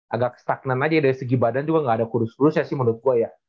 agak stagnan aja dari segi badan juga nggak ada kurus kurusnya sih menurut gue ya